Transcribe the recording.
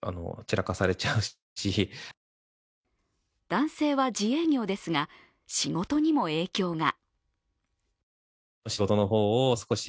男性は自営業ですが仕事にも影響が。